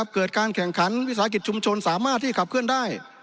การแข่งขันวิสาหกิจชุมชนสามารถที่ขับเคลื่อนได้